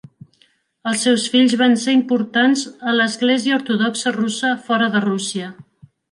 Els seus fills van ser importants a l'Església Ortodoxa Russa fora de Rússia.